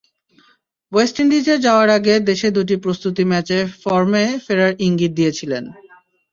West ইন্ডিজে যাওয়ার আগে দেশে দুটি প্রস্তুতি ম্যাচে ফর্মে ফেরার ইঙ্গিত দিয়েছিলেন।